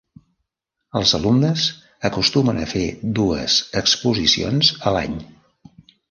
Els alumnes acostumen a fer dues exposicions a l'any.